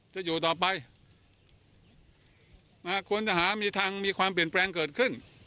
จะอยู่ต่อไปควรจะหามีทางมีความเปลี่ยนแปลงเกิดขึ้น